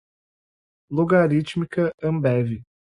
logarítmica, Ambev